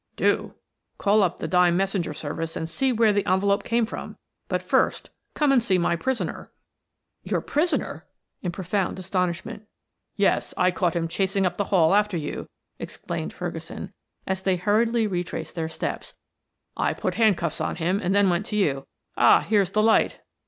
"Do? Call up the Dime Messenger Service and see where the envelope came from; but first come and see my prisoner. "Your prisoner?" in profound astonishment. "Yes. I caught him chasing up the hall after you," explained Ferguson as they hurriedly retraced their steps. "I put handcuffs on him and then went to you. Ah, here's the light!"